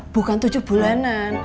bukan tujuh bulanan